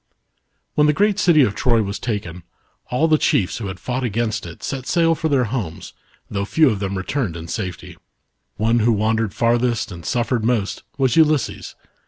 WHEN the great city of Troy was taken, all the chiefs who had fought against it, set sail for their homes, though few of them returned in safety. HOMEF/S STORY. 65 One, who wandered farthest ind suffered most, was Ulysses.